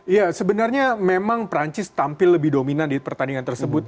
ya sebenarnya memang perancis tampil lebih dominan di pertandingan tersebut